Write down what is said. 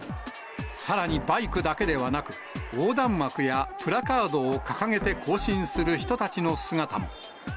さらにバイクだけではなく、横断幕やプラカードを掲げて行進する人たちの姿も。